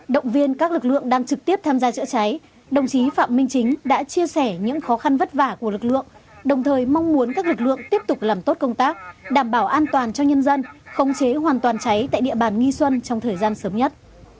động viên các lực lượng đang trực tiếp tham gia chữa cháy đồng chí phạm minh chính đã chia sẻ những khó khăn vất vả của lực lượng đồng thời mong muốn các lực lượng tiếp tục làm tốt công tác đảm bảo an toàn cho nhân dân khống chế hoàn toàn cháy tại địa bàn nghi xuân trong thời gian sớm nhất